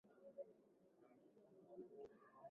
h tafadhali tume ya uchanguzi tanzania toeni matokeo